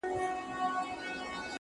جهاني به له دېوان سره وي تللی -